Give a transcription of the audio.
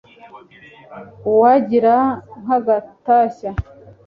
uwangira nk'agatashya